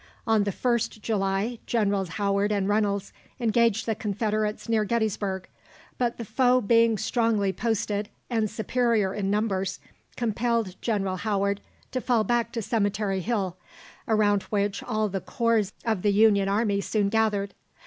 On the 1st July, Generals Howard and Reynolds engaged the Confederates near Gettysburg, but the foe being strongly posted, and superior in numbers, compelled General Howard to fall back to Cemetery Hill, around which all the corps of the Union army soon gathered.